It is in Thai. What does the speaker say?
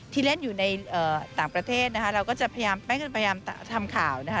ที่เล่นอยู่ในต่างประเทศนะคะเราก็จะพยายามทำข่าวนะคะ